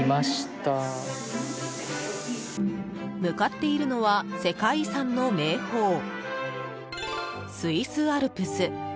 向かっているのは世界遺産の名峰スイス・アルプス。